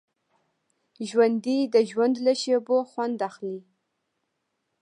ژوندي د ژوند له شېبو خوند اخلي